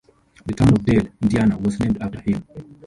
The town of Dale, Indiana was named after him.